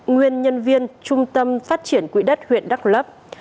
nguyên nhân viên trung tâm phát triển quỹ đất huyện đắk lấp